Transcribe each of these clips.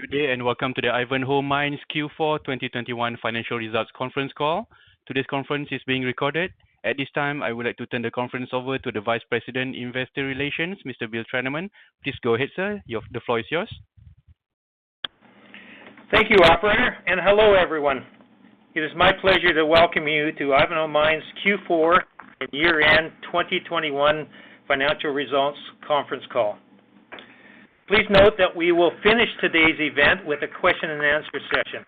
Good day, and welcome to the Ivanhoe Mines Q4 2021 financial results conference call. Today's conference is being recorded. At this time, I would like to turn the conference over to the Vice President, Investor Relations, Mr. Bill Trenaman. Please go ahead, sir. The floor is yours. Thank you, operator, and hello, everyone. It is my pleasure to welcome you to Ivanhoe Mines Q4 at year-end 2021 financial results conference call. Please note that we will finish today's event with a question and answer session.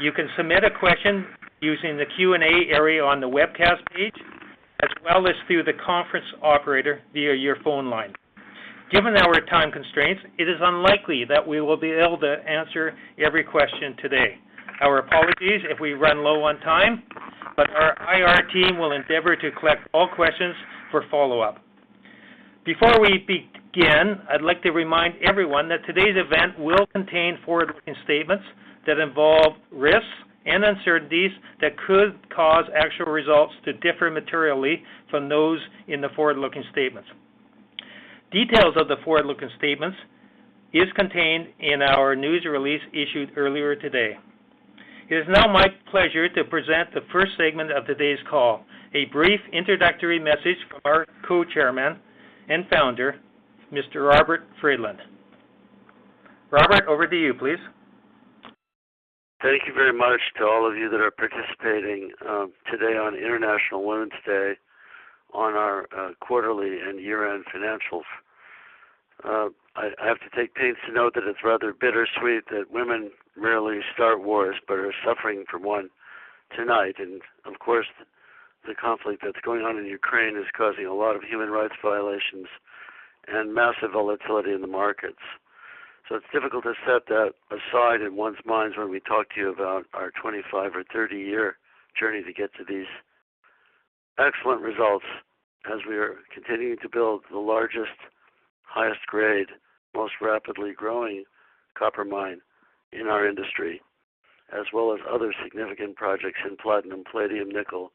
You can submit a question using the Q&A area on the webcast page, as well as through the conference operator via your phone line. Given our time constraints, it is unlikely that we will be able to answer every question today. Our apologies if we run low on time, but our IR team will endeavor to collect all questions for follow-up. Before we begin, I'd like to remind everyone that today's event will contain forward-looking statements that involve risks and uncertainties that could cause actual results to differ materially from those in the forward-looking statements. Details of the forward-looking statements is contained in our news release issued earlier today. It is now my pleasure to present the first segment of today's call, a brief introductory message from our Co-Chairman and Founder, Mr. Robert Friedland. Robert, over to you, please. Thank you very much to all of you that are participating today on International Women's Day on our quarterly and year-end financials. I have to take pains to note that it's rather bittersweet that women rarely start wars but are suffering from one tonight. Of course, the conflict that's going on in Ukraine is causing a lot of human rights violations and massive volatility in the markets. It's difficult to set that aside in one's minds when we talk to you about our 25- or 30-year journey to get to these excellent results as we are continuing to build the largest, highest grade, most rapidly growing copper mine in our industry, as well as other significant projects in platinum, palladium, nickel,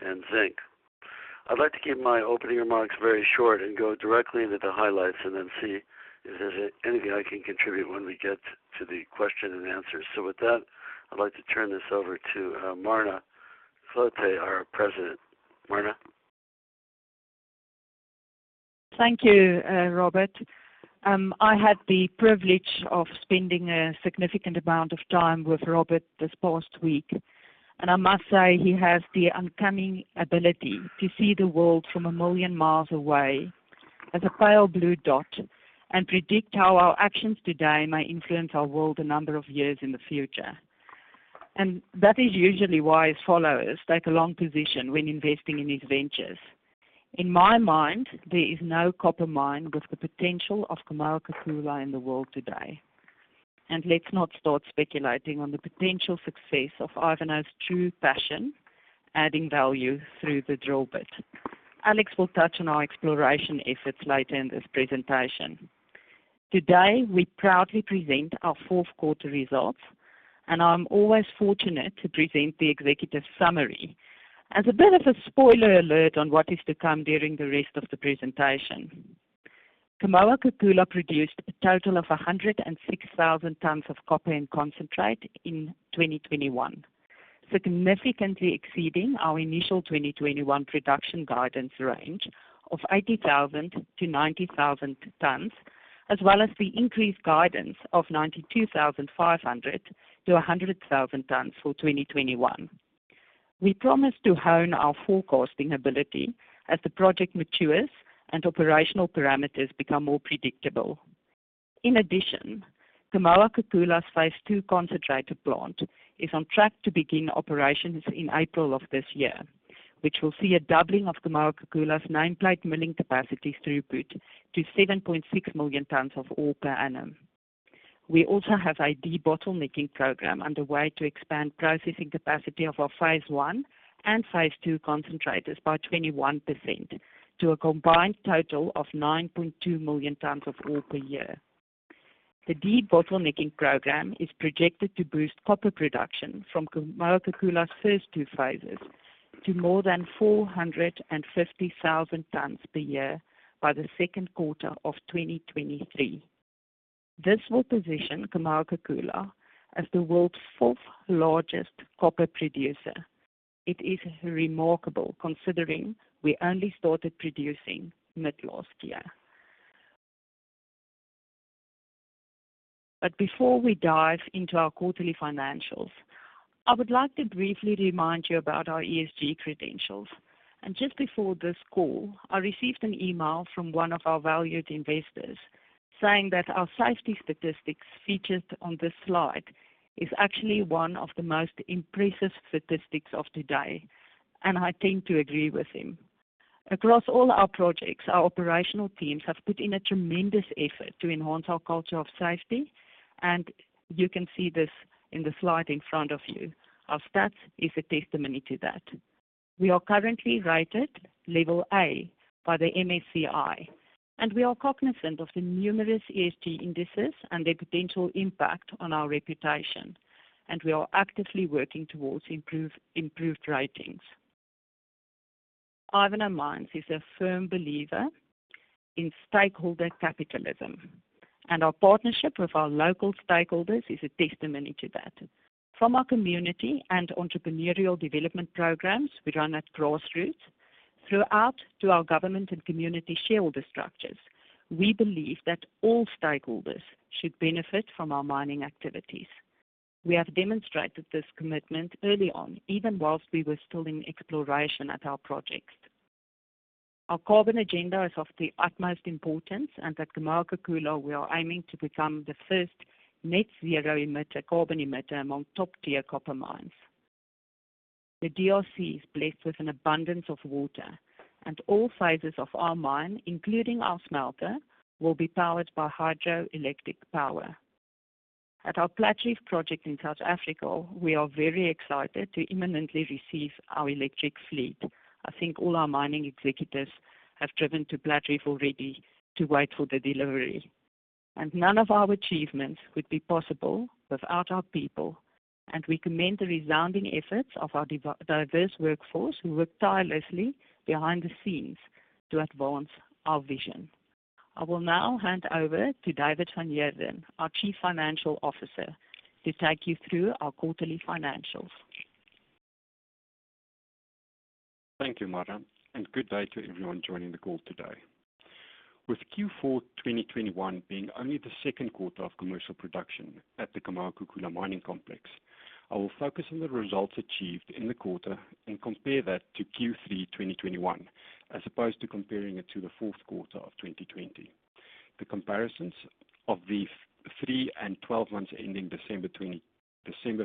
and zinc. I'd like to keep my opening remarks very short and go directly into the highlights and then see if there's anything I can contribute when we get to the question and answer. With that, I'd like to turn this over to Marna Cloete, our president. Marna. Thank you, Robert. I had the privilege of spending a significant amount of time with Robert this past week, and I must say he has the uncommon ability to see the world from a million miles away as a pale blue dot and predict how our actions today may influence our world a number of years in the future. That is usually why his followers take a long position when investing in his ventures. In my mind, there is no copper mine with the potential of Kamoa-Kakula in the world today. Let's not start speculating on the potential success of Ivanhoe's true passion, adding value through the drill bit. Alex will touch on our exploration efforts later in this presentation. Today, we proudly present our fourth quarter results, and I'm always fortunate to present the executive summary as a bit of a spoiler alert on what is to come during the rest of the presentation. Kamoa-Kakula produced a total of 106,000 tons of copper and concentrate in 2021, significantly exceeding our initial 2021 production guidance range of 80,000-90,000 tons, as well as the increased guidance of 92,500-100,000 tons for 2021. We promise to hone our forecasting ability as the project matures and operational parameters become more predictable. In addition, Kamoa-Kakula's phase two concentrator plant is on track to begin operations in April of this year, which will see a doubling of Kamoa-Kakula's nine-plateau milling capacity throughput to 7.6 million tons of ore per annum. We also have a debottlenecking program underway to expand processing capacity of our phase one and phase two concentrators by 21% to a combined total of 9.2 million tons of ore per year. The debottlenecking program is projected to boost copper production from Kamoa-Kakula's first two phases to more than 450,000 tons per year by the second quarter of 2023. This will position Kamoa-Kakula as the world's fourth largest copper producer. It is remarkable considering we only started producing mid last year. Before we dive into our quarterly financials, I would like to briefly remind you about our ESG credentials. Just before this call, I received an email from one of our valued investors saying that our safety statistics featured on this slide is actually one of the most impressive statistics of today, and I tend to agree with him. Across all our projects, our operational teams have put in a tremendous effort to enhance our culture of safety. You can see this in the slide in front of you. Our stats is a testimony to that. We are currently rated level A by the MSCI, and we are cognizant of the numerous ESG indices and their potential impact on our reputation, and we are actively working towards improved ratings. Ivanhoe Mines is a firm believer in stakeholder capitalism, and our partnership with our local stakeholders is a testimony to that. From our community and entrepreneurial development programs we run at grassroots throughout to our government and community shareholder structures, we believe that all stakeholders should benefit from our mining activities. We have demonstrated this commitment early on, even whilst we were still in exploration at our projects. Our carbon agenda is of the utmost importance, and at Kamoa-Kakula we are aiming to become the first net zero emitter, carbon emitter among top-tier copper mines. The DRC is blessed with an abundance of water, and all phases of our mine, including our smelter, will be powered by hydroelectric power. At our Platreef project in South Africa, we are very excited to imminently receive our electric fleet. I think all our mining executives have driven to Platreef already to wait for the delivery. None of our achievements would be possible without our people, and we commend the resounding efforts of our diverse workforce who work tirelessly behind the scenes to advance our vision. I will now hand over to David van Heerden, our Chief Financial Officer, to take you through our quarterly financials. Thank you, Mara, and good day to everyone joining the call today. With Q4 2021 being only the second quarter of commercial production at the Kamoa-Kakula Mining Complex, I will focus on the results achieved in the quarter and compare that to Q3 2021, as opposed to comparing it to the fourth quarter of 2020. The comparisons of these three and 12 months ending December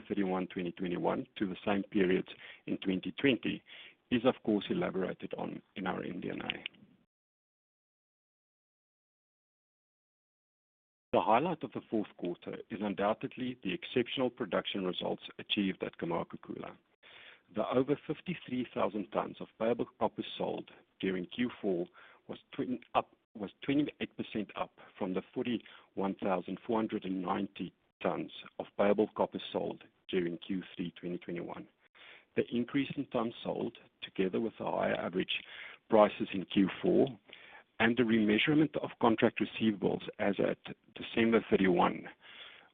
31, 2021, to the same periods in 2020 is, of course, elaborated on in our MD&A. The highlight of the fourth quarter is undoubtedly the exceptional production results achieved at Kamoa-Kakula. The over 53,000 tons of payable copper sold during Q4 was 28% up from the 41,490 tons of payable copper sold during Q3 2021. The increase in tons sold, together with our average prices in Q4 and the remeasurement of contract receivables as at December 31,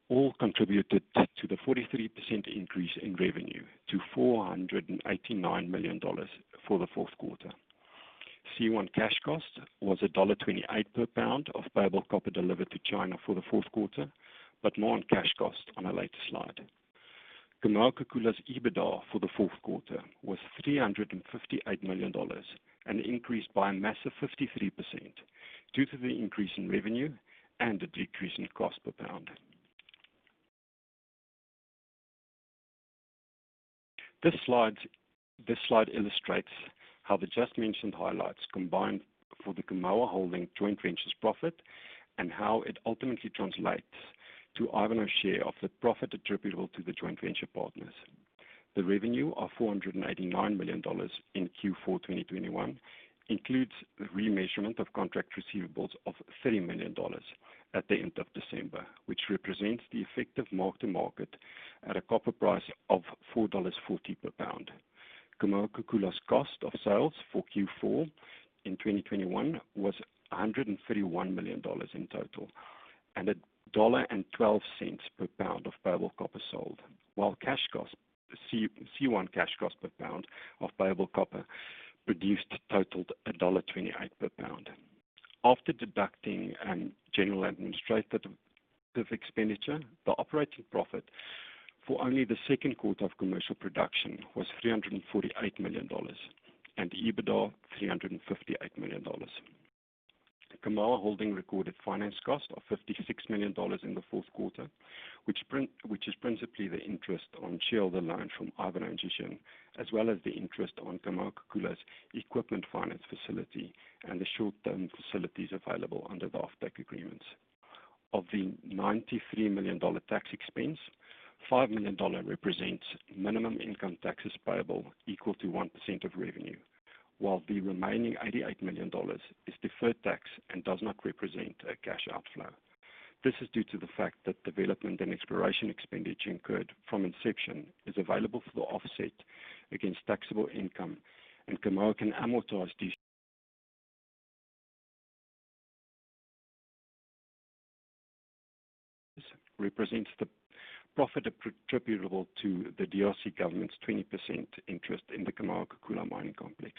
all contributed to the 43% increase in revenue to $489 million for the fourth quarter. C1 cash cost was $1.28 per pound of payable copper delivered to China for the fourth quarter, but more on cash cost on a later slide. Kamoa-Kakula's EBITDA for the fourth quarter was $358 million, and increased by a massive 53% due to the increase in revenue and the decrease in cost per pound. This slide illustrates how the just mentioned highlights combined for the Kamoa Holding joint venture's profit and how it ultimately translates to Ivanhoe's share of the profit attributable to the joint venture partners. The revenue of $489 million in Q4 2021 includes remeasurement of contract receivables of $30 million at the end of December, which represents the effective mark-to-market at a copper price of $4.40 per pound. Kamoa-Kakula's cost of sales for Q4 in 2021 was $131 million in total, and $1.12 per pound of payable copper sold. While C1 cash cost per pound of payable copper produced totaled $1.28 per pound. After deducting general administrative expenditure, the operating profit for only the second quarter of commercial production was $348 million, and EBITDA $358 million. Kamoa Holding recorded finance cost of $56 million in the fourth quarter, which is principally the interest on shareholder loans from Ivanhoe and Zijin, as well as the interest on Kamoa-Kakula's equipment finance facility and the short-term facilities available under the offtake agreements. Of the $93 million tax expense, $5 million represents minimum income taxes payable equal to 1% of revenue, while the remaining $88 million is deferred tax and does not represent a cash outflow. This is due to the fact that development and exploration expenditure incurred from inception is available for the offset against taxable income, and Kamoa can amortize these. This represents the profit attributable to the DRC government's 20% interest in the Kamoa-Kakula Mining Complex,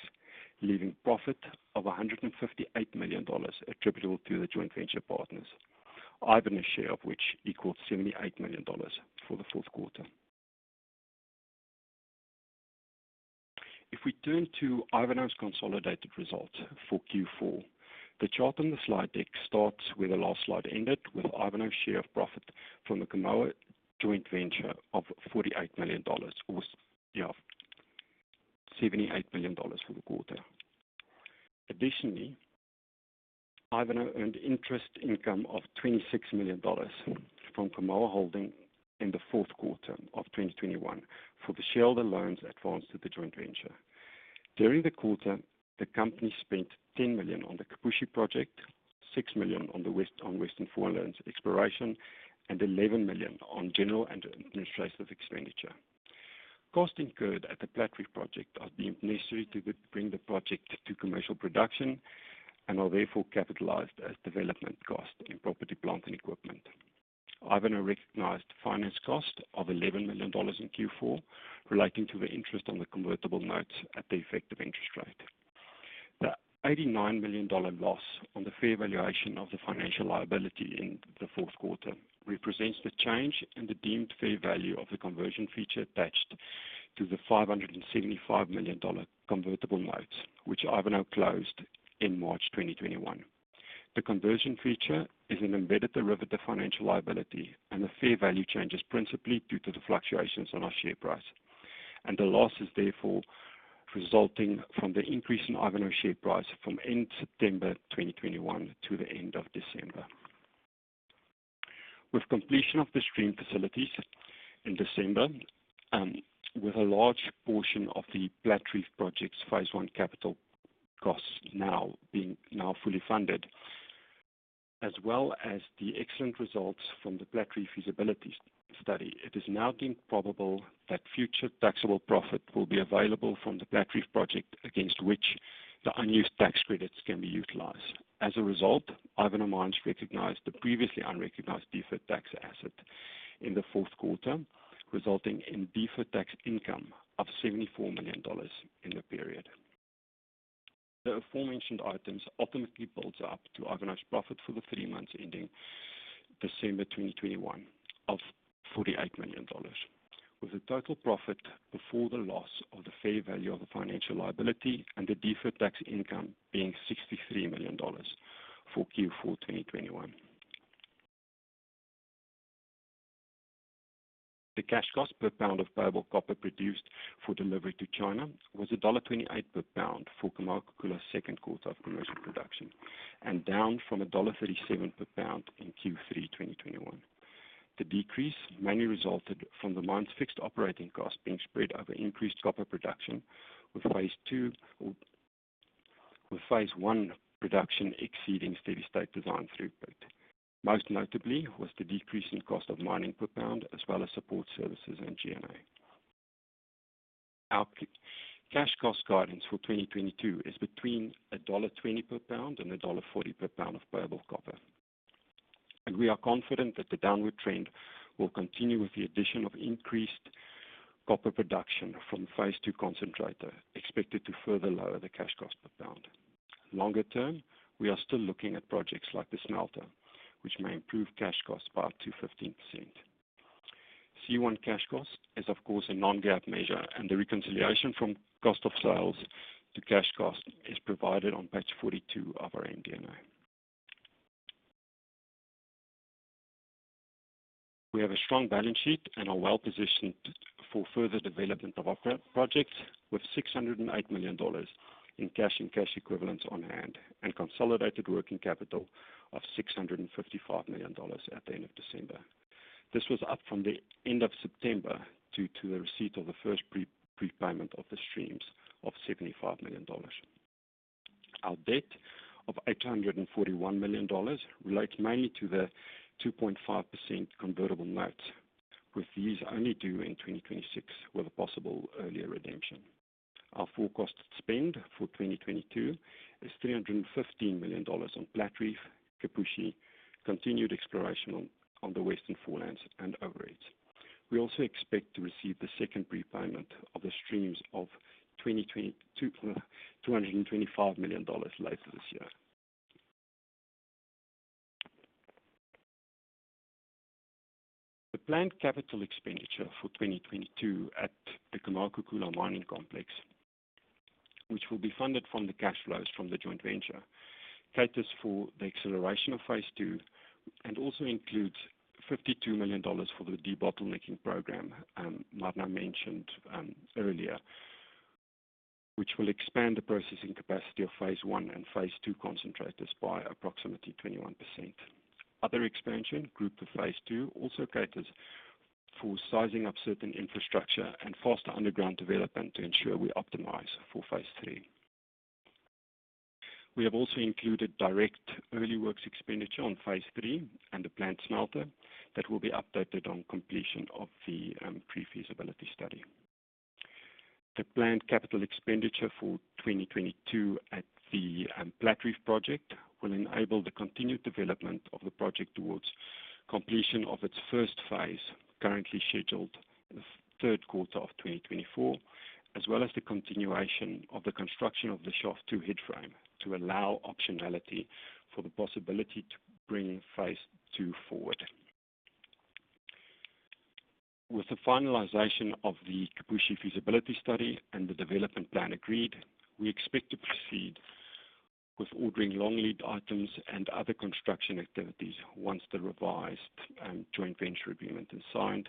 leaving profit of $158 million attributable to the joint venture partners. Ivanhoe's share of which equals $78 million for the fourth quarter. If we turn to Ivanhoe's consolidated results for Q4, the chart on the slide deck starts where the last slide ended with Ivanhoe's share of profit from the Kamoa joint venture of $48 million or, yeah, $78 million for the quarter. Additionally, Ivanhoe earned interest income of $26 million from Kamoa Holding in the fourth quarter of 2021 for the shareholder loans advanced to the joint venture. During the quarter, the company spent $10 million on the Kipushi project, $6 million on Western Foreland exploration and $11 million on general and administrative expenditure. Costs incurred at the Platreef project are deemed necessary to bring the project to commercial production and are therefore capitalized as development costs in property, plant, and equipment. Ivanhoe recognized finance cost of $11 million in Q4 relating to the interest on the convertible notes at the effective interest rate. The $89 million loss on the fair valuation of the financial liability in the fourth quarter represents the change in the deemed fair value of the conversion feature attached to the $575 million convertible notes, which Ivanhoe closed in March 2021. The conversion feature is an embedded derivative financial liability, and the fair value changes principally due to the fluctuations on our share price. The loss is therefore resulting from the increase in Ivanhoe share price from end September 2021 to the end of December. With completion of the stream facilities in December, with a large portion of the Platreef project's phase one capital costs now being fully funded, as well as the excellent results from the Platreef feasibility study, it is now deemed probable that future taxable profit will be available from the Platreef project against which the unused tax credits can be utilized. As a result, Ivanhoe Mines recognized the previously unrecognized deferred tax asset in the fourth quarter, resulting in deferred tax income of $74 million in the period. The aforementioned items ultimately builds up to Ivanhoe's profit for the three months ending December 2021 of $48 million, with a total profit before the loss of the fair value of the financial liability and the deferred tax income being $63 million for Q4 2021. The cash cost per pound of payable copper produced for delivery to China was $1.28 per pound for Kamoa-Kakula second quarter of commercial production and down from $1.37 per pound in Q3 2021. The decrease mainly resulted from the mine's fixed operating costs being spread over increased copper production with phase two or with phase one production exceeding steady-state design throughput. Most notably was the decrease in cost of mining per pound as well as support services and G&A. Our cash cost guidance for 2022 is between $1.20 per pound and $1.40 per pound of payable copper. We are confident that the downward trend will continue with the addition of increased copper production from phase two concentrator, expected to further lower the cash cost per pound. Longer term, we are still looking at projects like the smelter, which may improve cash costs by up to 15%. C1 cash cost is, of course, a non-GAAP measure, and the reconciliation from cost of sales to cash cost is provided on page 42 of our MD&A. We have a strong balance sheet and are well-positioned for further development of our projects, with $608 million in cash and cash equivalents on hand and consolidated working capital of $655 million at the end of December. This was up from the end of September due to the receipt of the first pre-prepayment of the streams of $75 million. Our debt of $841 million relates mainly to the 2.5% convertible notes, with these only due in 2026 with a possible earlier redemption. Our forecast spend for 2022 is $315 million on Platreef, Kipushi, continued exploration on the Western Foreland, and overheads. We also expect to receive the second prepayment of the streams of 2022: $225 million later this year. The planned capital expenditure for 2022 at the Kamoa-Kakula Mining Complex, which will be funded from the cash flows from the joint venture, caters for the acceleration of phase two and also includes $52 million for the debottlenecking program Marna mentioned earlier, which will expand the processing capacity of phase one and phase two concentrators by approximately 21%. Other expansion work to phase two also caters for sizing up certain infrastructure and faster underground development to ensure we optimize for phase three. We have also included direct early works expenditure on phase three and the plant smelter that will be updated on completion of the pre-feasibility study. The planned capital expenditure for 2022 at the Platreef project will enable the continued development of the project towards completion of its first phase, currently scheduled for the third quarter of 2024, as well as the continuation of the construction of the shaft two headframe to allow optionality for the possibility to bring phase two forward. With the finalization of the Kipushi feasibility study and the development plan agreed, we expect to proceed with ordering long lead items and other construction activities once the revised joint venture agreement is signed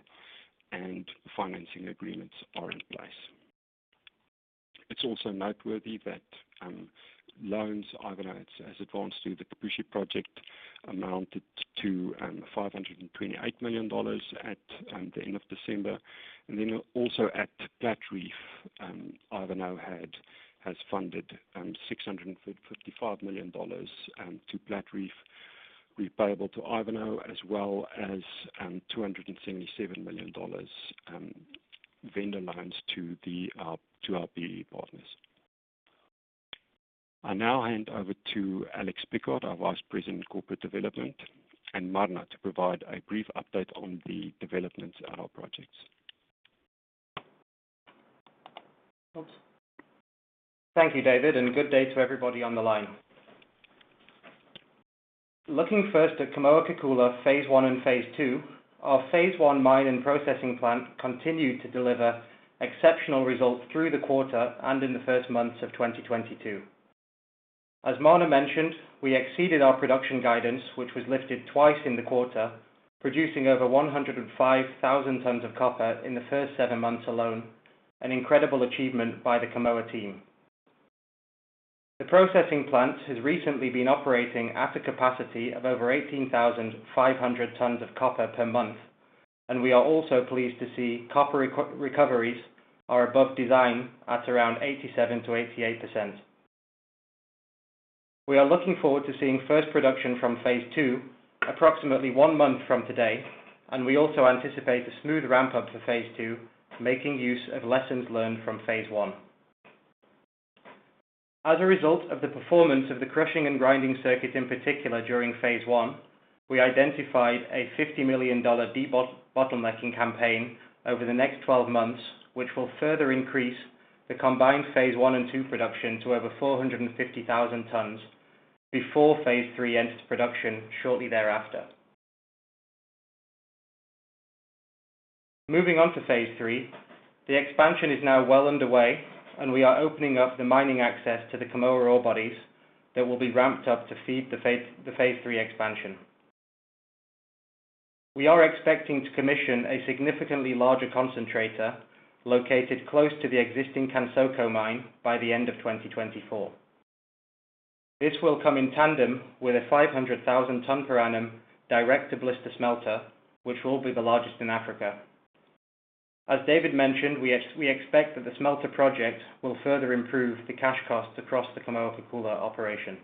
and financing agreements are in place. It's also noteworthy that loans that Ivanhoe has advanced to the Kipushi project amounted to $528 million at the end of December. At Platreef, Ivanhoe has funded $655 million to Platreef, repayable to Ivanhoe, as well as $277 million vendor loans to our BEE partners. I now hand over to Alex Pickard, our Vice President, Corporate Development, and Marna to provide a brief update on the developments at our projects. Thank you, David, and good day to everybody on the line. Looking first at Kamoa-Kakula phase one and phase two, our phase one mine and processing plant continued to deliver exceptional results through the quarter and in the first months of 2022. As Marna mentioned, we exceeded our production guidance, which was lifted twice in the quarter, producing over 105,000 tons of copper in the first seven months alone, an incredible achievement by the Kamoa team. The processing plant has recently been operating at a capacity of over 18,500 tons of copper per month, and we are also pleased to see copper recoveries are above design at around 87% to 88%. We are looking forward to seeing first production from phase two approximately one month from today, and we also anticipate a smooth ramp up for phase two, making use of lessons learned from phase one. As a result of the performance of the crushing and grinding circuit, in particular during phase one, we identified a $50 million debottlenecking campaign over the next 12 months, which will further increase the combined phase one and two production to over 450,000 tons before phase three enters production shortly thereafter. Moving on to phase three, the expansion is now well underway and we are opening up the mining access to the Kamoa ore bodies that will be ramped up to feed the phase three expansion. We are expecting to commission a significantly larger concentrator located close to the existing Kansoko mine by the end of 2024. This will come in tandem with a 500,000 ton per annum direct-to-blister smelter, which will be the largest in Africa. As David mentioned, we expect that the smelter project will further improve the cash costs across the Kamoa-Kakula operation.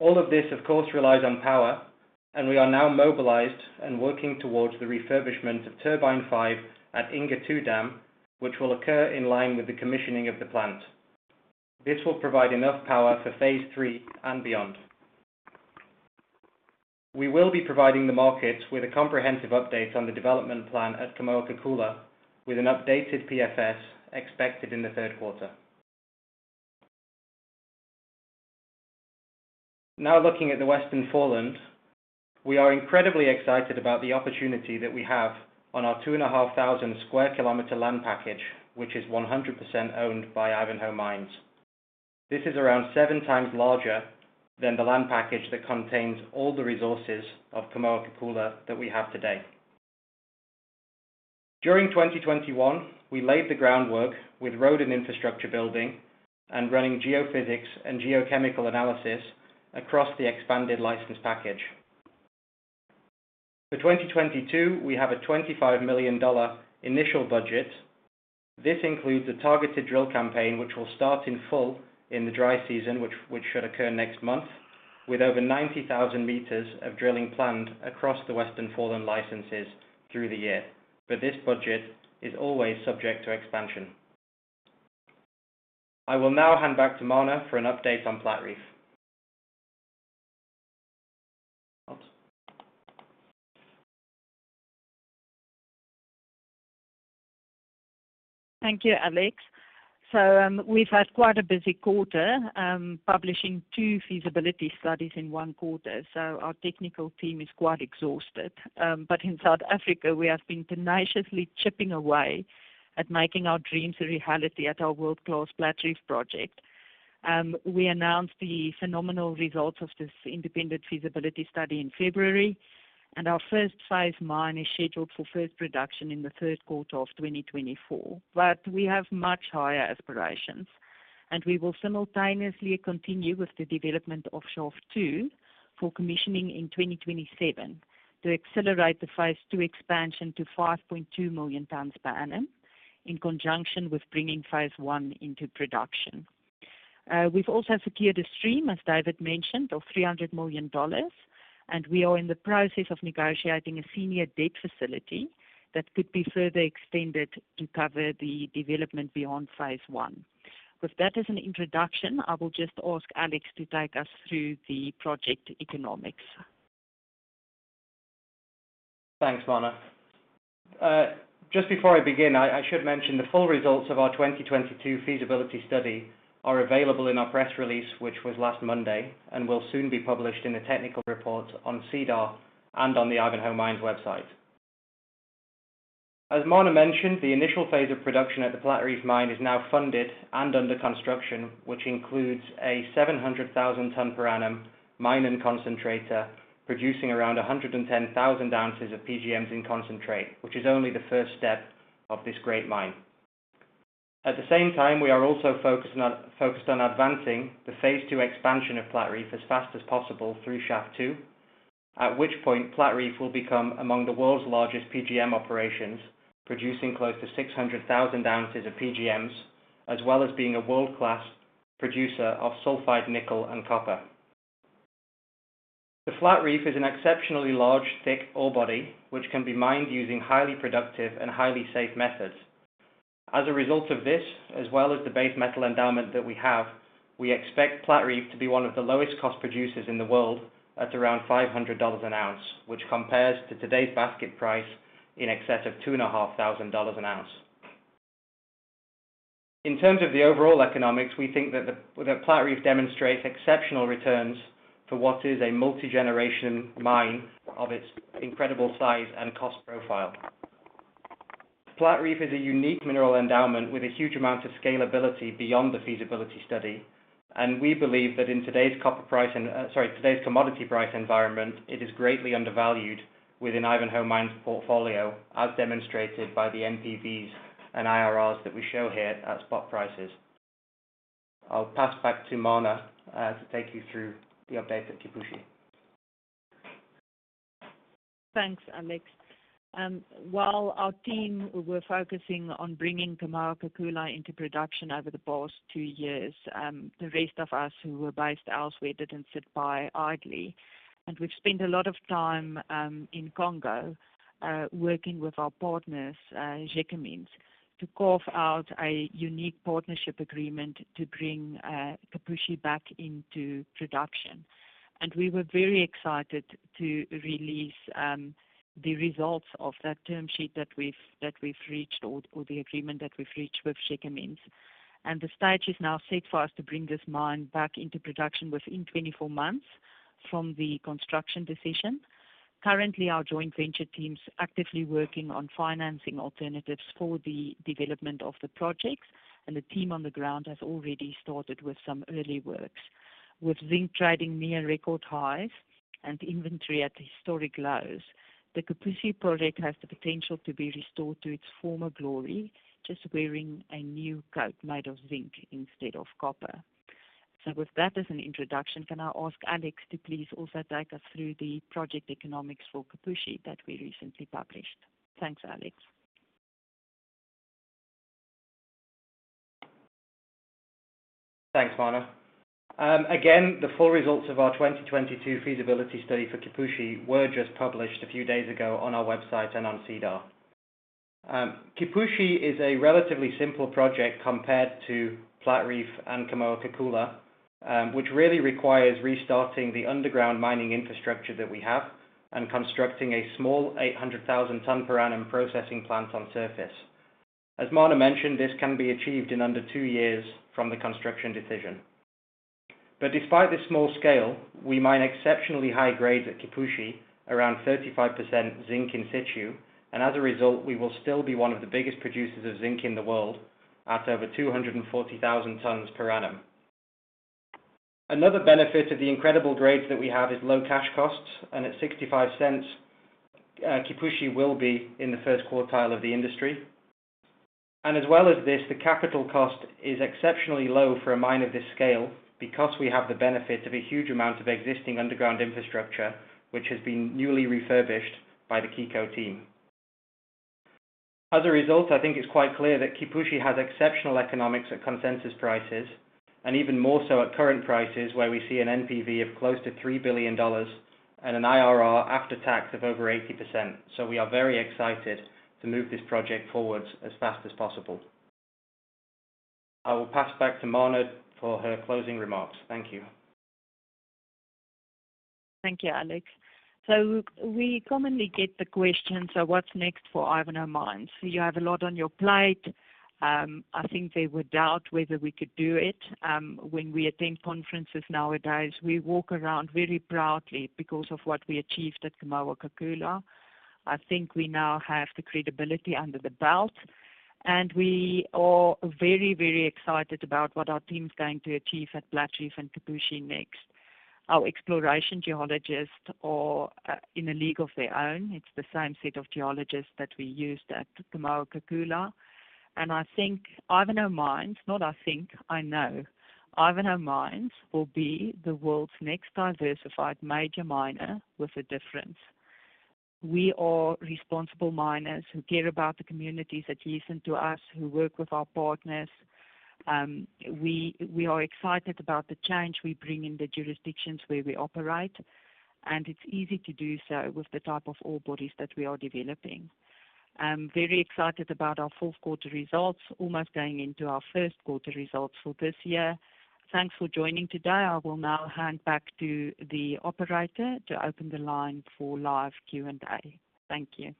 All of this, of course, relies on power, and we are now mobilized and working towards the refurbishment of turbine five at Inga II dam, which will occur in line with the commissioning of the plant. This will provide enough power for phase 3 and beyond. We will be providing the markets with a comprehensive update on the development plan at Kamoa-Kakula with an updated PFS expected in the third quarter. Now looking at the Western Foreland, we are incredibly excited about the opportunity that we have on our 2,500 sq km land package, which is 100% owned by Ivanhoe Mines. This is around 7x larger than the land package that contains all the resources of Kamoa-Kakula that we have today. During 2021, we laid the groundwork with road and infrastructure building and running geophysics and geochemical analysis across the expanded license package. For 2022, we have a $25 million initial budget. This includes a targeted drill campaign which will start in full in the dry season, which should occur next month, with over 90,000 m of drilling planned across the Western Foreland licenses through the year. This budget is always subject to expansion. I will now hand back to Marna for an update on Platreef. Thank you, Alex. We've had quite a busy quarter, publishing two feasibility studies in one quarter, so our technical team is quite exhausted. In South Africa, we have been tenaciously chipping away at making our dreams a reality at our world-class Platreef project. We announced the phenomenal results of this independent feasibility study in February, and our first phase mine is scheduled for first production in the third quarter of 2024. We have much higher aspirations, and we will simultaneously continue with the development of shaft two for commissioning in 2027 to accelerate the phase 2 expansion to 5.2 million tons per annum in conjunction with bringing phase 1 into production. We've also secured a stream, as David mentioned, of $300 million, and we are in the process of negotiating a senior debt facility that could be further extended to cover the development beyond phase one. With that as an introduction, I will just ask Alex to take us through the project economics. Thanks, Marna. Just before I begin, I should mention the full results of our 2022 feasibility study are available in our press release, which was last Monday, and will soon be published in a technical report on SEDAR and on the Ivanhoe Mines website. As Marna mentioned, the initial phase of production at the Platreef mine is now funded and under construction, which includes a 700,000-ton-per-annum mine and concentrator producing around 110,000 ounces of PGMs in concentrate, which is only the first step of this great mine. At the same time, we are also focused on advancing the phase two expansion of Platreef as fast as possible through shaft two, at which point Platreef will become among the world's largest PGM operations, producing close to 600,000 ounces of PGMs, as well as being a world-class producer of sulfide, nickel, and copper. The Platreef is an exceptionally large, thick ore body, which can be mined using highly productive and highly safe methods. As a result of this, as well as the base metal endowment that we have, we expect Platreef to be one of the lowest cost producers in the world at around $500 an ounce, which compares to today's basket price in excess of $2,500 an ounce. In terms of the overall economics, we think that Platreef demonstrates exceptional returns for what is a multi-generation mine of its incredible size and cost profile. Platreef is a unique mineral endowment with a huge amount of scalability beyond the feasibility study. We believe that in today's copper price, sorry, today's commodity price environment, it is greatly undervalued within Ivanhoe Mines portfolio, as demonstrated by the NPVs and IRRs that we show here at spot prices. I'll pass back to Marna to take you through the update at Kipushi. Thanks, Alex. While our team were focusing on bringing Kamoa-Kakula into production over the past two years, the rest of us who were based elsewhere didn't sit by idly. We've spent a lot of time in Congo, working with our partners, Gécamines, to carve out a unique partnership agreement to bring Kipushi back into production. We were very excited to release the results of that term sheet that we've reached or the agreement that we've reached with Gécamines. The stage is now set for us to bring this mine back into production within 24 months from the construction decision. Currently, our joint venture team's actively working on financing alternatives for the development of the projects, and the team on the ground has already started with some early works. With zinc trading near record highs and inventory at historic lows, the Kipushi project has the potential to be restored to its former glory, just wearing a new coat made of zinc instead of copper. With that as an introduction, can I ask Alex to please also take us through the project economics for Kipushi that we recently published? Thanks, Alex. Thanks, Marna. Again, the full results of our 2022 feasibility study for Kipushi were just published a few days ago on our website and on SEDAR. Kipushi is a relatively simple project compared to Platreef and Kamoa-Kakula, which really requires restarting the underground mining infrastructure that we have and constructing a small 800,000 tons per annum processing plant on surface. As Marna mentioned, this can be achieved in under two years from the construction decision. Despite this small scale, we mine exceptionally high grades at Kipushi, around 35% zinc in-situ, and as a result, we will still be one of the biggest producers of zinc in the world at over 240,000 tons per annum. Another benefit of the incredible grades that we have is low cash costs, and at $0.65, Kipushi will be in the first quartile of the industry. As well as this, the capital cost is exceptionally low for a mine of this scale because we have the benefit of a huge amount of existing underground infrastructure, which has been newly refurbished by the KICO team. As a result, I think it's quite clear that Kipushi has exceptional economics at consensus prices, and even more so at current prices, where we see an NPV of close to $3 billion and an IRR after tax of over 80%. We are very excited to move this project forward as fast as possible. I will pass back to Marna for her closing remarks. Thank you. Thank you, Alex. We commonly get the question, so what's next for Ivanhoe Mines? You have a lot on your plate. I think they would doubt whether we could do it. When we attend conferences nowadays, we walk around very proudly because of what we achieved at Kamoa-Kakula. I think we now have the credibility under the belt, and we are very, very excited about what our team's going to achieve at Platreef and Kipushi next. Our exploration geologists are in a league of their own. It's the same set of geologists that we used at Kamoa-Kakula. I think Ivanhoe Mines, not I think, I know Ivanhoe Mines will be the world's next diversified major miner with a difference. We are responsible miners who care about the communities that listen to us, who work with our partners. We are excited about the change we bring in the jurisdictions where we operate, and it's easy to do so with the type of ore bodies that we are developing. I'm very excited about our fourth quarter results, almost going into our first quarter results for this year. Thanks for joining today. I will now hand back to the operator to open the line for live Q&A. Thank you.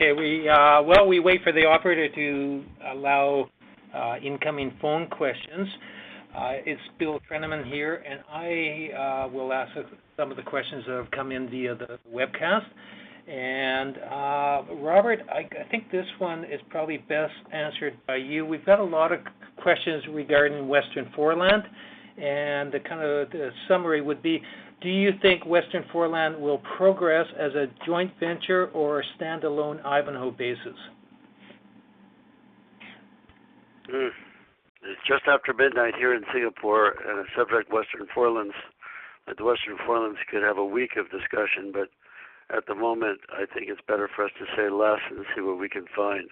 Okay, while we wait for the operator to allow incoming phone questions, it's Bill Trenaman here, and I will ask some of the questions that have come in via the webcast. Robert, I think this one is probably best answered by you. We've got a lot of questions regarding Western Foreland, and the kind of summary would be: Do you think Western Foreland will progress as a joint venture or standalone Ivanhoe basis? It's just after midnight here in Singapore, and the subject Western Foreland, the Western Foreland could have a week of discussion, but at the moment, I think it's better for us to say less and see what we can find.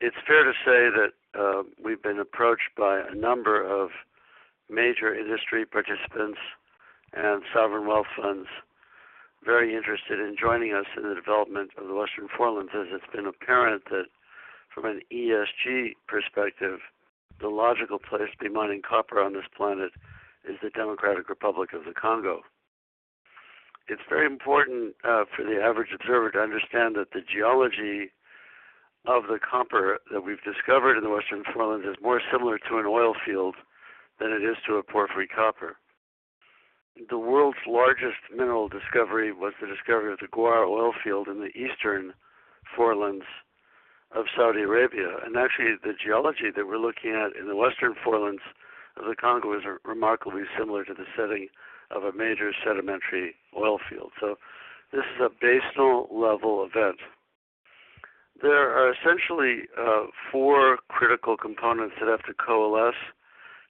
It's fair to say that we've been approached by a number of major industry participants and sovereign wealth funds, very interested in joining us in the development of the Western Foreland, as it's been apparent that from an ESG perspective, the logical place to be mining copper on this planet is the Democratic Republic of the Congo. It's very important for the average observer to understand that the geology of the copper that we've discovered in the Western Foreland is more similar to an oil field than it is to a porphyry copper. The world's largest mineral discovery was the discovery of the Ghawar oil field in the Eastern Forelands of Saudi Arabia. Actually, the geology that we're looking at in the Western Foreland of the Congo is remarkably similar to the setting of a major sedimentary oil field. This is a basal level event. There are essentially four critical components that have to coalesce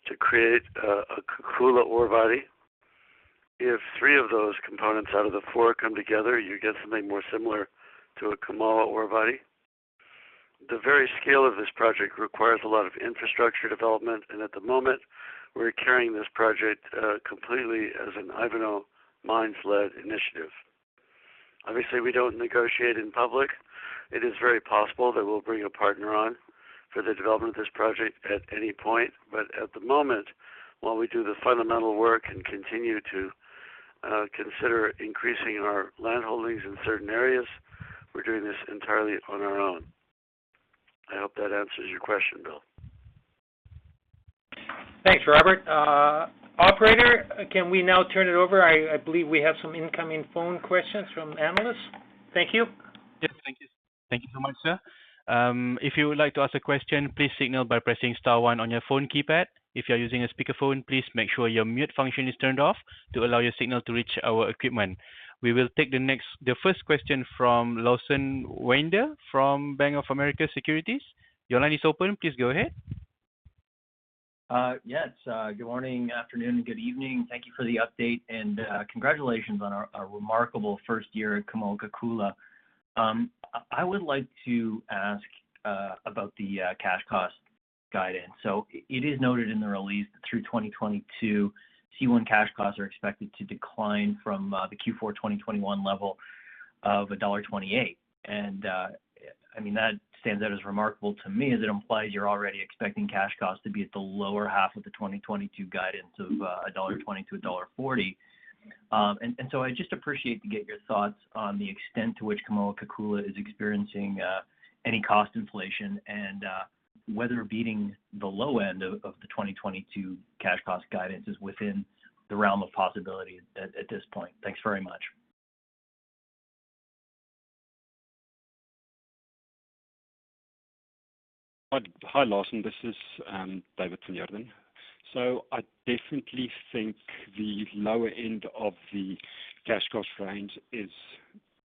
to create a Kakula ore body. If three of those components out of the four come together, you get something more similar to a Kamoa ore body. The very scale of this project requires a lot of infrastructure development, and at the moment, we're carrying this project completely as an Ivanhoe Mines led initiative. Obviously, we don't negotiate in public. It is very possible that we'll bring a partner on for the development of this project at any point. At the moment, while we do the fundamental work and continue to consider increasing our landholdings in certain areas, we're doing this entirely on our own. I hope that answers your question, Bill. Thanks, Robert. Operator, can we now turn it over? I believe we have some incoming phone questions from analysts. Thank you. Yes. Thank you. Thank you so much, sir. If you would like to ask a question, please signal by pressing star one on your phone keypad. If you are using a speakerphone, please make sure your mute function is turned off to allow your signal to reach our equipment. We will take the first question from Lawson Winder from Bank of America Securities. Your line is open. Please go ahead. Yes. Good morning, afternoon, and good evening. Thank you for the update, and congratulations on a remarkable first year at Kamoa-Kakula. I would like to ask about the cash cost guidance. It is noted in the release through 2022, Q1 cash costs are expected to decline from the Q4 2021 level of $1.28. I mean, that stands out as remarkable to me as it implies you're already expecting cash costs to be at the lower half of the 2022 guidance of $1.20 to $1.40. I'd just appreciate to get your thoughts on the extent to which Kamoa-Kakula is experiencing any cost inflation and whether beating the low end of the 2022 cash cost guidance is within the realm of possibility at this point. Thanks very much. Hi, Lawson, this is David van Heerden. I definitely think the lower end of the cash cost range is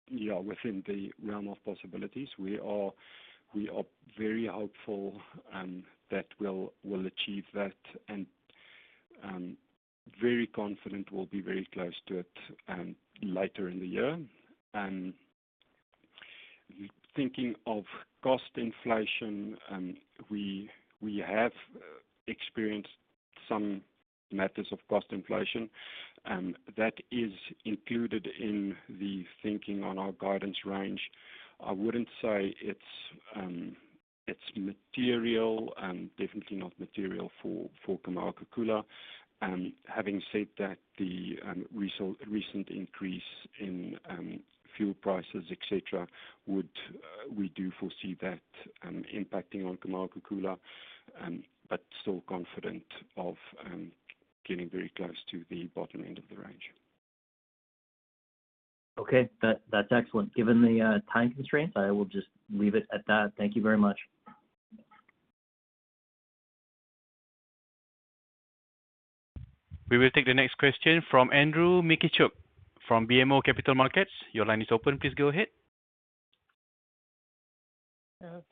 within the realm of possibilities. We are very hopeful that we'll achieve that and very confident we'll be very close to it later in the year. Thinking of cost inflation, we have experienced some matters of cost inflation that is included in the thinking on our guidance range. I wouldn't say it's material, definitely not material for Kamoa-Kakula. Having said that, the recent increase in fuel prices, et cetera. We do foresee that impacting on Kamoa-Kakula, but still confident of getting very close to the bottom end of the range. Okay. That, that's excellent. Given the time constraints, I will just leave it at that. Thank you very much. We will take the next question from Andrew Mikitchook from BMO Capital Markets. Your line is open. Please go ahead.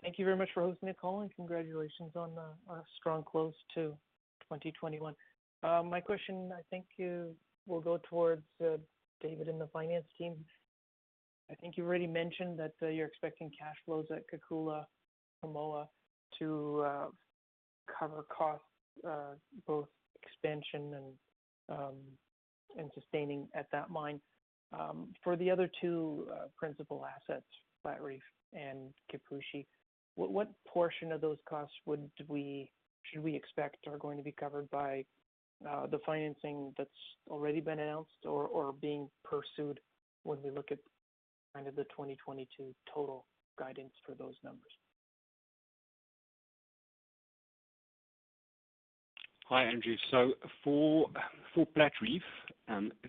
Thank you very much for hosting the call and congratulations on a strong close to 2021. My question I think it will go towards David and the finance team. I think you already mentioned that you're expecting cash flows at Kamoa-Kakula to cover costs both expansion and sustaining at that mine. For the other two principal assets, Platreef and Kipushi, what portion of those costs should we expect are going to be covered by the financing that's already been announced or being pursued when we look at kind of the 2022 total guidance for those numbers. Hi, Andrew. For Platreef,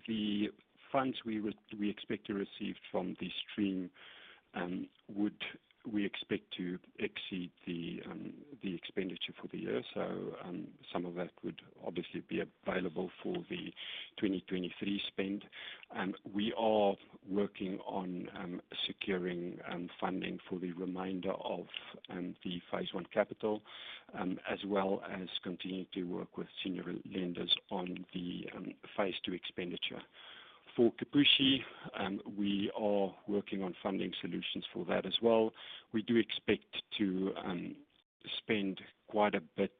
the funds we expect to receive from the stream would exceed the expenditure for the year. Some of that would obviously be available for the 2023 spend. We are working on securing funding for the remainder of the phase 1 capital, as well as continuing to work with senior lenders on the phase 2 expenditure. For Kipushi, we are working on funding solutions for that as well. We do expect to spend quite a bit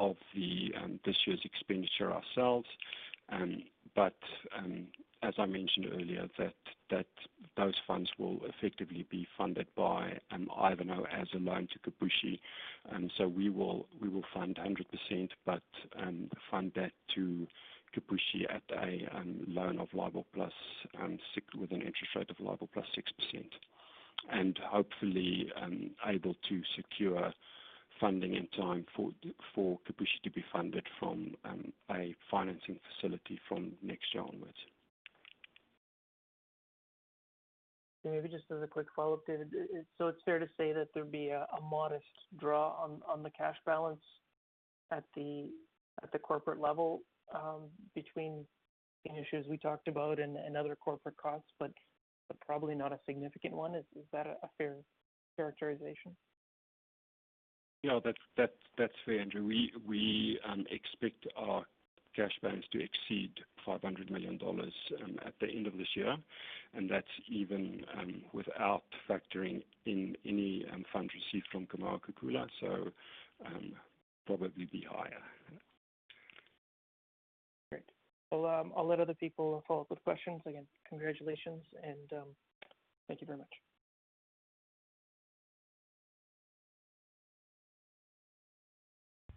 of this year's expenditure ourselves. As I mentioned earlier, those funds will effectively be funded by Ivanhoe as a loan to Kipushi. We will fund 100%, but fund that to Kipushi at a loan of LIBOR + 6% with an interest rate of LIBOR + 6%. Hopefully able to secure funding in time for Kipushi to be funded from a financing facility from next year onwards. Maybe just as a quick follow-up, David. So it's fair to say that there'd be a modest draw on the cash balance at the corporate level between the issues we talked about and other corporate costs, but probably not a significant one. Is that a fair characterization? No, that's fair, Andrew. We expect our cash balance to exceed $500 million at the end of this year, and that's even without factoring in any funds received from Kamoa-Kakula. Probably be higher. Great. Well, I'll let other people follow up with questions. Again, congratulations and, thank you very much.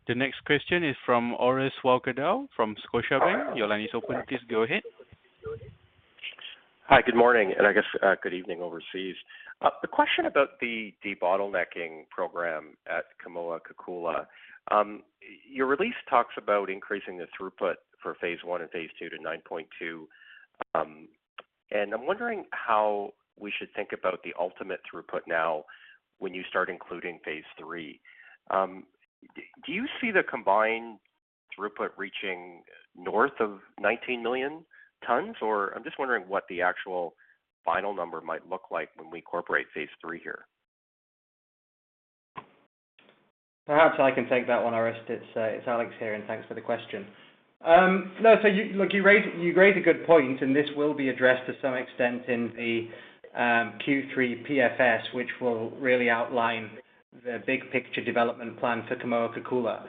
The next question is from Orest Wowkodaw from Scotiabank. Your line is open. Please go ahead. Hi. Good morning, and I guess good evening overseas. The question about the de-bottlenecking program at Kamoa-Kakula. Your release talks about increasing the throughput for phase one and phase two to 9.2. I'm wondering how we should think about the ultimate throughput now when you start including phase three. Do you see the combined throughput reaching north of 19 million tons? Or I'm just wondering what the actual final number might look like when we incorporate phase three here. Perhaps I can take that one, Orest. It's Alex here, and thanks for the question. No, you raise a good point, and this will be addressed to some extent in the Q3 PFS, which will really outline the big picture development plan for Kamoa-Kakula.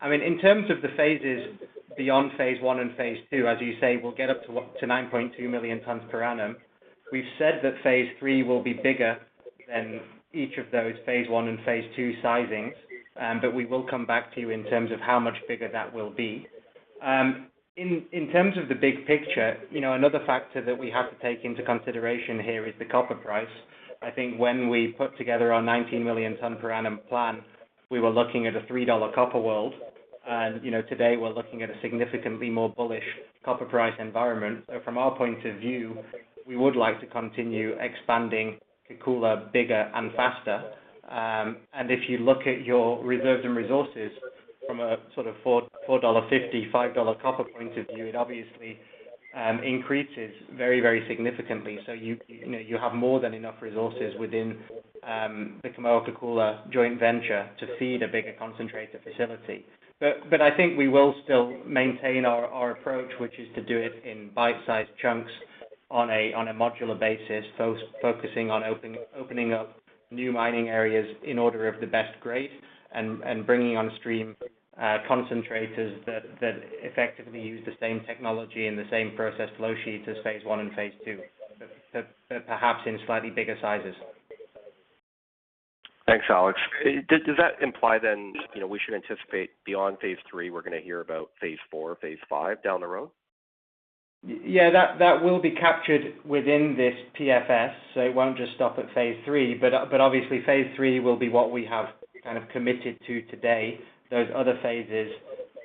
I mean, in terms of the phases beyond phase one and phase two, as you say, we'll get up to 9.2 million tons per annum. We've said that phase three will be bigger than each of those phase one and phase two sizings, but we will come back to you in terms of how much bigger that will be. In terms of the big picture, you know, another factor that we have to take into consideration here is the copper price. I think when we put together our 19 million ton per annum plan, we were looking at a $3 copper world. You know, today we're looking at a significantly more bullish copper price environment. From our point of view, we would like to continue expanding Kakula bigger and faster. If you look at your reserves and resources from a sort of $4, $4.50, $5 copper point of view, it obviously increases very significantly. You know, you have more than enough resources within the Kamoa-Kakula joint venture to feed a bigger concentrator facility. I think we will still maintain our approach, which is to do it in bite-sized chunks on a modular basis, focusing on opening up new mining areas in order of the best grade and bringing on stream concentrators that effectively use the same technology and the same process flow sheet as phase one and phase two, but perhaps in slightly bigger sizes. Thanks, Alex. Does that imply then, you know, we should anticipate beyond phase three, we're gonna hear about phase four, phase five down the road? Yeah, that will be captured within this PFS, so it won't just stop at phase three. Obviously, phase three will be what we have kind of committed to today. Those other phases,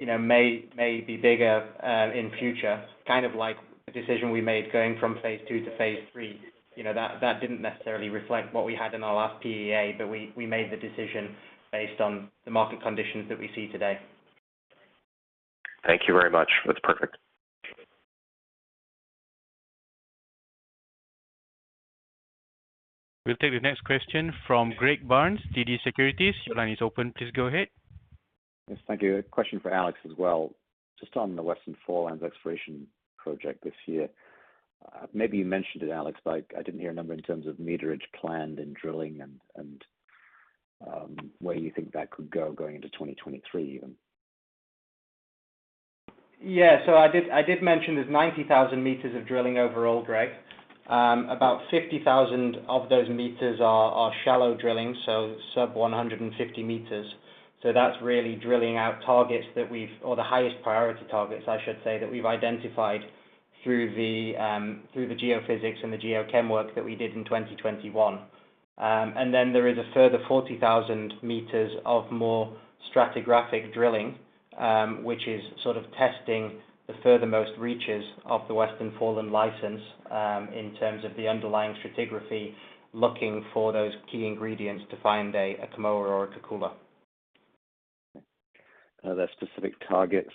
you know, may be bigger in future. Kind of like the decision we made going from phase two to phase three. You know, that didn't necessarily reflect what we had in our last PEA, but we made the decision based on the market conditions that we see today. Thank you very much. That's perfect. We'll take the next question from Greg Barnes, TD Securities. Your line is open. Please go ahead. Yes, thank you. A question for Alex as well, just on the Western Foreland exploration project this year. Maybe you mentioned it, Alex, but I didn't hear a number in terms of meterage planned and drilling and where you think that could go going into 2023 even. Yeah. I did mention there's 90,000 m of drilling overall, Greg. About 50,000 of those meters are shallow drilling, so sub 150 m. That's really drilling out the highest priority targets, I should say, that we've identified through the geophysics and the geochem work that we did in 2021. And then there is a further 40,000 m of more stratigraphic drilling, which is sort of testing the furthermost reaches of the Western Foreland license in terms of the underlying stratigraphy, looking for those key ingredients to find a Kamoa or a Kakula. Are there specific targets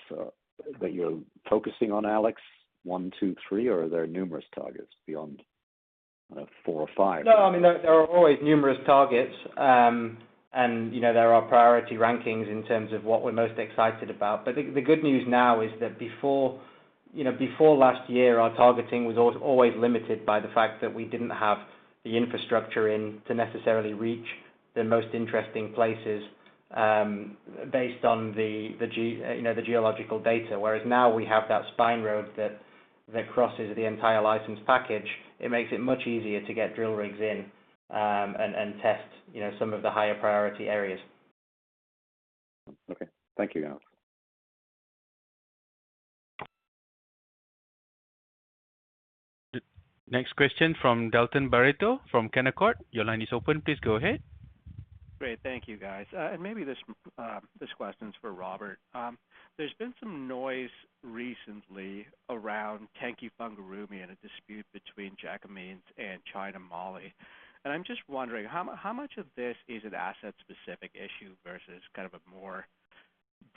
that you're focusing on, Alex, one, two, three, or are there numerous targets beyond four or five? No, I mean, there are always numerous targets. You know, there are priority rankings in terms of what we're most excited about. The good news now is that before, you know, before last year, our targeting was always limited by the fact that we didn't have the infrastructure in to necessarily reach the most interesting places, based on the geological data. Whereas now we have that spine road that crosses the entire license package. It makes it much easier to get drill rigs in and test, you know, some of the higher priority areas. Okay. Thank you, Alex. Next question from Dalton Baretto from Canaccord. Your line is open. Please go ahead. Great. Thank you, guys. Maybe this question is for Robert. There's been some noise recently around Tenke Fungurume and a dispute between Gécamines and China Moly. I'm just wondering, how much of this is an asset-specific issue versus kind of a more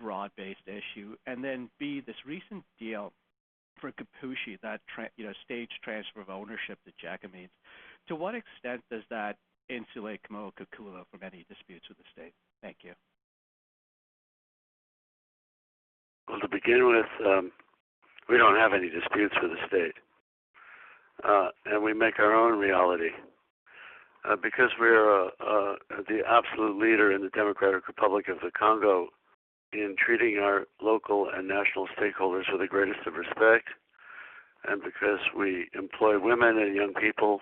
broad-based issue? Then B, this recent deal for Kipushi that you know, stage transfer of ownership to Gécamines, to what extent does that insulate Kamoa-Kakula from any disputes with the state? Thank you. Well, to begin with, we don't have any disputes with the state. We make our own reality, because we're the absolute leader in the Democratic Republic of the Congo in treating our local and national stakeholders with the greatest of respect, and because we employ women and young people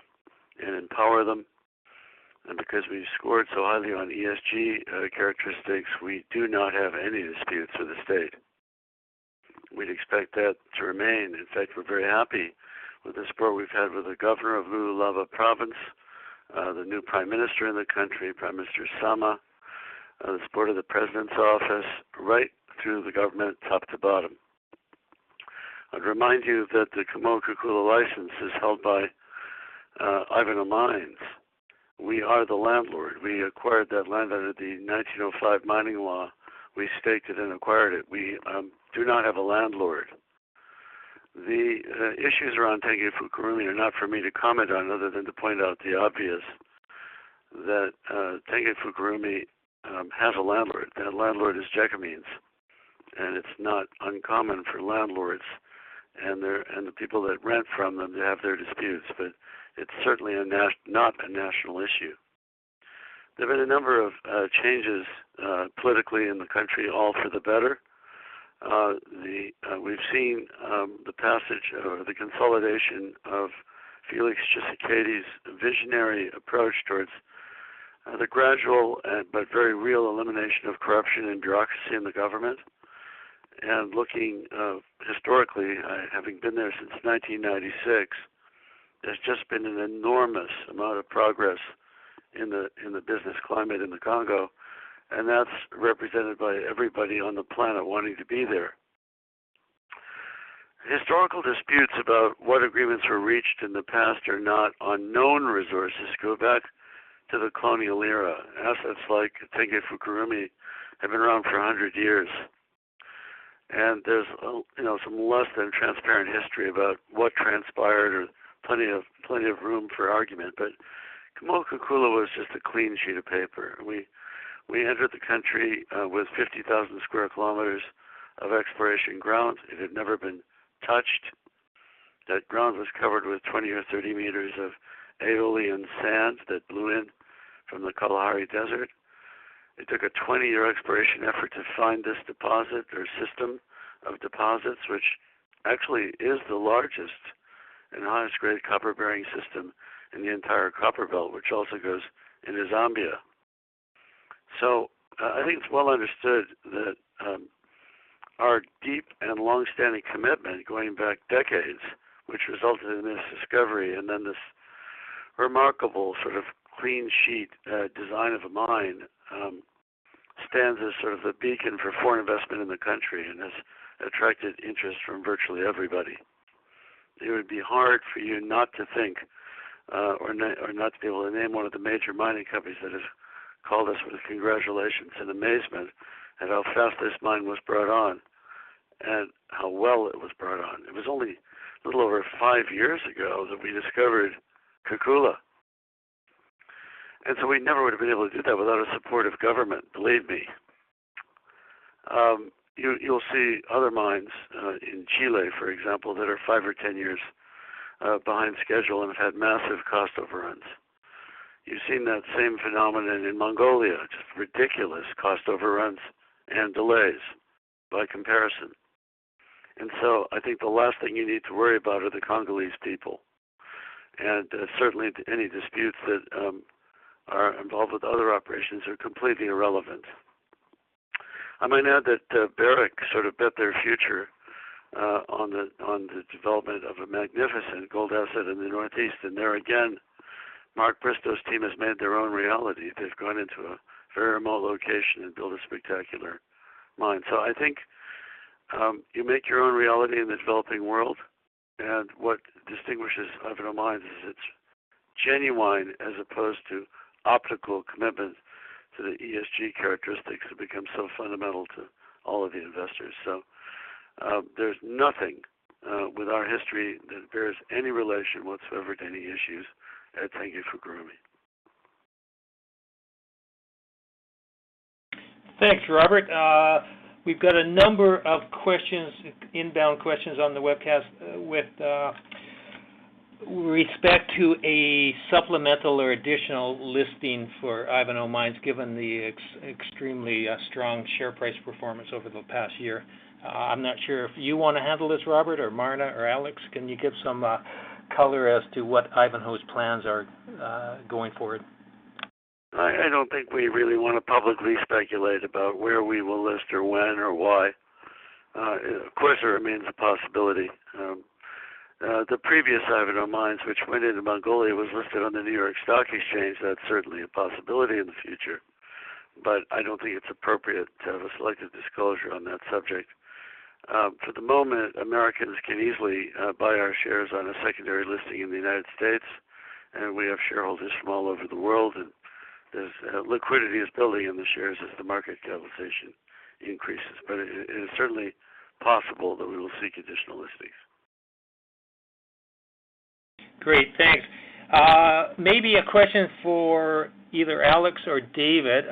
and empower them, and because we scored so highly on ESG characteristics, we do not have any disputes with the state. We'd expect that to remain. In fact, we're very happy with the support we've had with the governor of Lualaba province, the new Prime Minister in the country, Prime Minister Sama, the support of the President's office, right through the government, top to bottom. I'd remind you that the Kamoa-Kakula license is held by Ivanhoe Mines. We are the landlord. We acquired that land under the 1905 mining law. We staked it and acquired it. We do not have a landlord. The issues around Tenke Fungurume are not for me to comment on other than to point out the obvious, that Tenke Fungurume has a landlord. That landlord is Gécamines, and it's not uncommon for landlords and the people that rent from them to have their disputes, but it's certainly not a national issue. There have been a number of changes politically in the country, all for the better. We've seen the passage or the consolidation of Félix Tshisekedi's visionary approach towards the gradual but very real elimination of corruption and bureaucracy in the government. Looking historically, having been there since 1996, there's just been an enormous amount of progress in the business climate in the Congo, and that's represented by everybody on the planet wanting to be there. Historical disputes about what agreements were reached in the past are not unknown. Resources go back to the colonial era. Assets like Tenke Fungurume have been around for 100 years. There's you know, some less than transparent history about what transpired or plenty of room for argument. Kamoa-Kakula was just a clean sheet of paper. We entered the country with 50,000 sq km of exploration ground. It had never been touched. That ground was covered with 20 or 30 m of aeolian sand that blew in from the Kalahari Desert. It took a 20-year exploration effort to find this deposit or system of deposits, which actually is the largest and highest grade copper-bearing system in the entire copper belt, which also goes into Zambia. I think it's well understood that our deep and long-standing commitment going back decades, which resulted in this discovery and then this remarkable sort of clean sheet design of a mine stands as sort of a beacon for foreign investment in the country and has attracted interest from virtually everybody. It would be hard for you not to think or not to be able to name one of the major mining companies that has called us with congratulations and amazement at how fast this mine was brought on and how well it was brought on. It was only a little over five years ago that we discovered Kakula, and so we never would have been able to do that without a supportive government, believe me. You'll see other mines in Chile, for example, that are five or 10 years behind schedule and have had massive cost overruns. You've seen that same phenomenon in Mongolia, just ridiculous cost overruns and delays by comparison. I think the last thing you need to worry about are the Congolese people. Certainly any disputes that are involved with other operations are completely irrelevant. I might add that Barrick sort of bet their future on the development of a magnificent gold asset in the Northeast. There again, Mark Bristow's team has made their own reality. They've gone into a very remote location and built a spectacular mine. I think you make your own reality in the developing world, and what distinguishes Ivanhoe Mines is its genuine as opposed to optical commitment to the ESG characteristics that become so fundamental to all of the investors. There's nothing with our history that bears any relation whatsoever to any issues. Ed, thank you for grooming. Thanks, Robert. We've got a number of questions, inbound questions on the webcast, with respect to a supplemental or additional listing for Ivanhoe Mines, given the extremely strong share price performance over the past year. I'm not sure if you wanna handle this, Robert, or Marna or Alex. Can you give some color as to what Ivanhoe's plans are, going forward? I don't think we really wanna publicly speculate about where we will list or when or why. Of course, it remains a possibility. The previous Ivanhoe Mines, which went into Mongolia, was listed on the New York Stock Exchange. That's certainly a possibility in the future, but I don't think it's appropriate to have a selective disclosure on that subject. For the moment, Americans can easily buy our shares on a secondary listing in the United States, and we have shareholders from all over the world, and liquidity is building in the shares as the market capitalization increases. It is certainly possible that we will seek additional listings. Great. Thanks. Maybe a question for either Alex or David.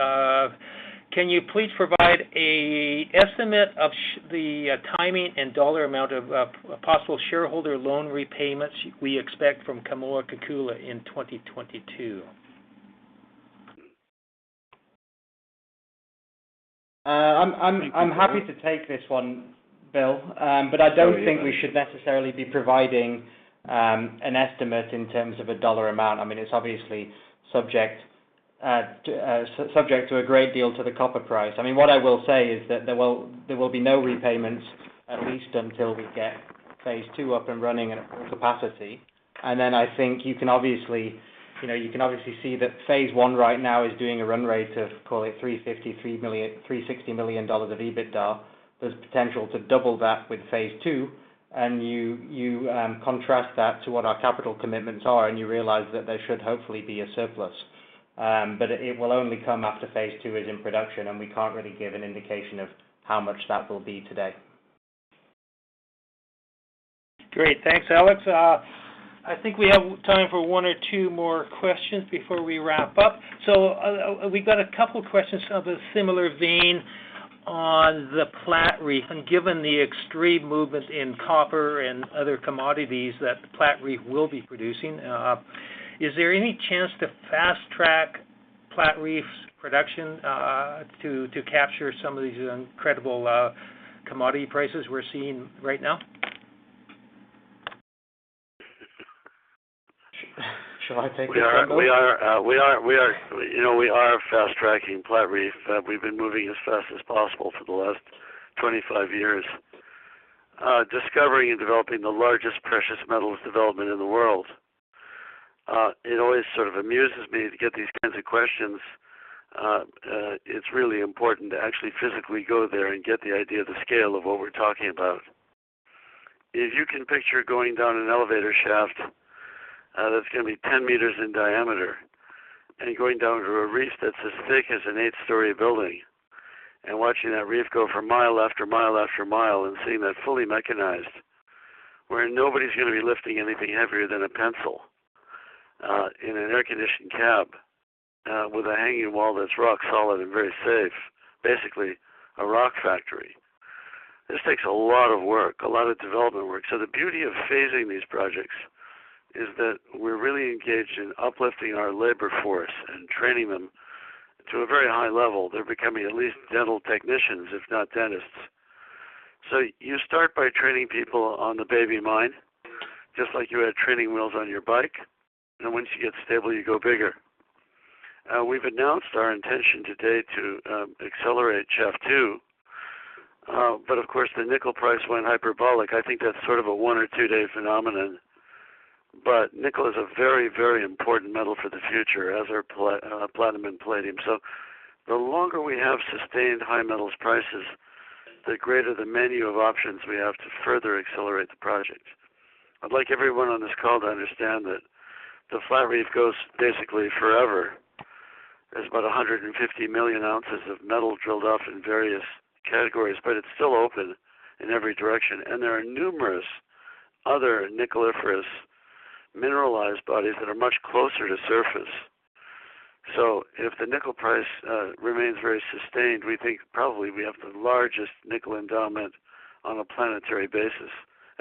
Can you please provide an estimate of the timing and dollar amount of possible shareholder loan repayments we expect from Kamoa-Kakula in 2022? I'm happy to take this one, Bill. But I don't think we should necessarily be providing an estimate in terms of a dollar amount. I mean, it's obviously subject to a great deal to the copper price. I mean, what I will say is that there will be no repayments at least until we get phase two up and running at full capacity. Then I think you can obviously see that phase one right now is doing a run rate of, call it $350 to 360 million of EBITDA. There's potential to double that with phase two, and you contrast that to what our capital commitments are, and you realize that there should hopefully be a surplus. It will only come after phase two is in production, and we can't really give an indication of how much that will be today. Great. Thanks, Alex. I think we have time for one or two more questions before we wrap up. We've got a couple questions of a similar vein on the Platreef, and given the extreme movement in copper and other commodities that the Platreef will be producing, is there any chance to fast track Platreef's production, to capture some of these incredible commodity prices we're seeing right now? Shall I take it, Robert? We are fast-tracking Platreef. You know, we are fast-tracking Platreef. We've been moving as fast as possible for the last 25 years, discovering and developing the largest precious metals development in the world. It always sort of amuses me to get these kinds of questions. It's really important to actually physically go there and get the idea of the scale of what we're talking about. If you can picture going down an elevator shaft, that's gonna be 10 m in diameter, and going down to a reef that's as thick as an eight-story building, and watching that reef go for mile after mile after mile, and seeing that fully mechanized, where nobody's gonna be lifting anything heavier than a pencil, in an air-conditioned cab, with a hanging wall that's rock solid and very safe, basically a rock factory. This takes a lot of work, a lot of development work. The beauty of phasing these projects is that we're really engaged in uplifting our labor force and training them to a very high level. They're becoming at least dental technicians, if not dentists. You start by training people on the baby mine, just like you had training wheels on your bike, and once you get stable, you go bigger. We've announced our intention today to accelerate shaft two. Of course, the nickel price went hyperbolic. I think that's sort of a one or two-day phenomenon. Nickel is a very, very important metal for the future, as are platinum and palladium. The longer we have sustained high metals prices, the greater the menu of options we have to further accelerate the project. I'd like everyone on this call to understand that the Platreef goes basically forever. There's about 150 million ounces of metal drilled off in various categories, but it's still open in every direction. There are numerous other nickeliferous mineralized bodies that are much closer to surface. If the nickel price remains very sustained, we think probably we have the largest nickel endowment on a planetary basis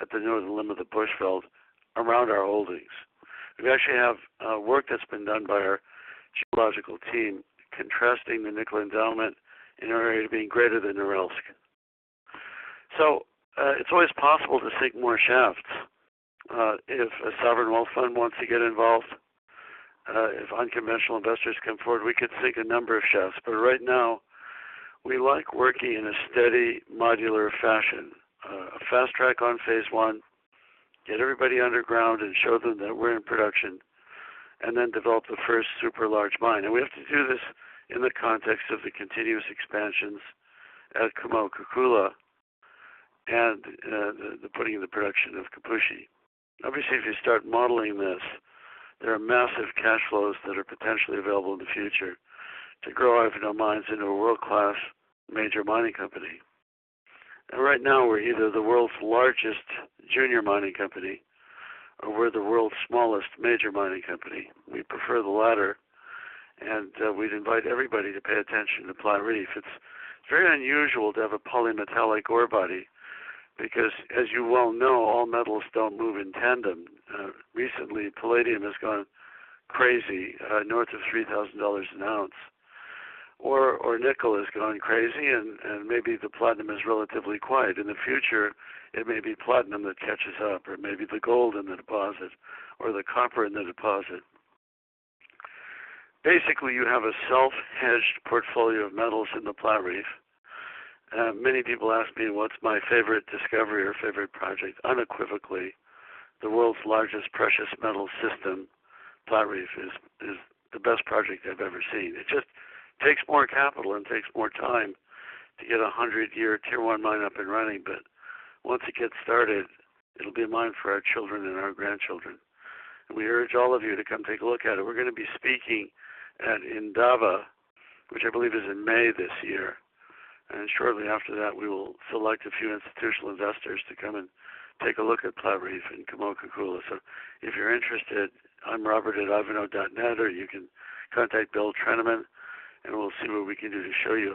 at the northern limb of the Bushveld around our holdings. We actually have work that's been done by our geological team contrasting the nickel endowment in our area being greater than Norilsk. It's always possible to sink more shafts if a sovereign wealth fund wants to get involved, if unconventional investors come forward, we could sink a number of shafts. Right now, we like working in a steady modular fashion. A fast track on phase one, get everybody underground and show them that we're in production, and then develop the first super large mine. We have to do this in the context of the continuous expansions at Kamoa-Kakula and the putting of the production of Kipushi. Obviously, if you start modeling this, there are massive cash flows that are potentially available in the future to grow out of our mines into a world-class major mining company. Right now we're either the world's largest junior mining company or we're the world's smallest major mining company. We prefer the latter, and we'd invite everybody to pay attention to Platreef. It's very unusual to have a polymetallic ore body because as you well know, all metals don't move in tandem. Recently palladium has gone crazy, north of $3,000 an oz, or nickel has gone crazy and maybe the platinum is relatively quiet. In the future, it may be platinum that catches up or maybe the gold in the deposit or the copper in the deposit. Basically, you have a self-hedged portfolio of metals in the Platreef. Many people ask me what's my favorite discovery or favorite project. Unequivocally, the world's largest precious metal system, Platreef, is the best project I've ever seen. It just takes more capital and takes more time to get a 100-year tier one mine up and running. But once it gets started, it'll be a mine for our children and our grandchildren. We urge all of you to come take a look at it. We're gonna be speaking at Indaba, which I believe is in May this year. Shortly after that, we will select a few institutional investors to come and take a look at Platreef in Kamoa-Kakula. if you're interested, I'm robert@ivanhoe.net, or you can contact Bill Trenaman, and we'll see what we can do to show you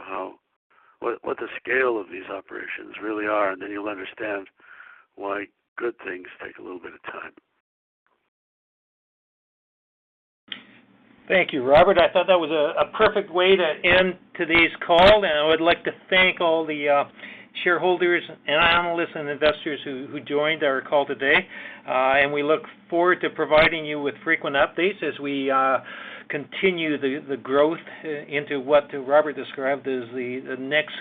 what the scale of these operations really are, and then you'll understand why good things take a little bit of time. Thank you, Robert. I thought that was a perfect way to end today's call. I would like to thank all the shareholders and analysts and investors who joined our call today. We look forward to providing you with frequent updates as we continue the growth into what Robert described as the next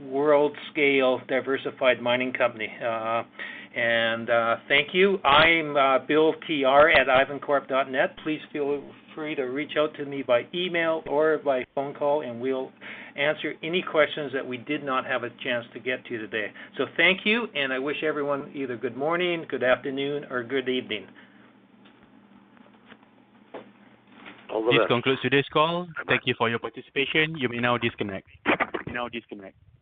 world-scale diversified mining company. Thank you. I'm billtr@ivancorp.net. Please feel free to reach out to me by email or by phone call, and we'll answer any questions that we did not have a chance to get to today. Thank you, and I wish everyone either good morning, good afternoon, or good evening. This concludes today's call. Thank you for your participation. You may now disconnect. You may now disconnect.